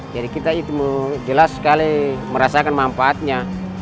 jadi kita itu jelas sekali merasakan manfaatnya